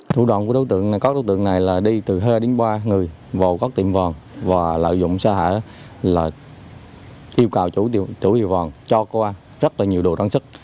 thủ đoạn của đối tượng này là đi từ hai đến ba người vào các tiệm vàng và lợi dụng xã hội là yêu cầu chủ tiệm vàng cho qua rất là nhiều đồ trang sức